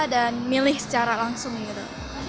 dan milih secara langsung gitu